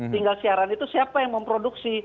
tinggal siaran itu siapa yang memproduksi